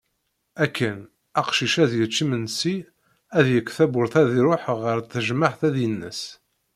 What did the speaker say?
Akken, aqcic ad yečč imensi, ad yekk tawwurt ad iruḥ ɣer tejmeɛt ad ines.